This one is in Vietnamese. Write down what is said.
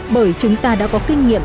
bởi chúng ta đã có kinh nghiệm